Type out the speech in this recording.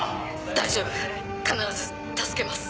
・大丈夫必ず助けます。